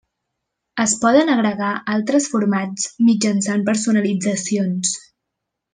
Es poden agregar altres formats mitjançant personalitzacions.